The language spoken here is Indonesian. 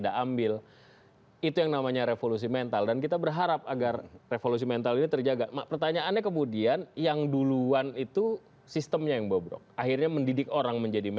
kami akan kembali sesaat lagi